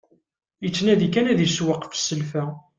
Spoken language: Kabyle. Yettnadi kan ad isewweq ɣef selfa.